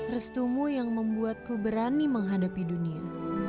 restumu yang membuatku berani menghadapi dunia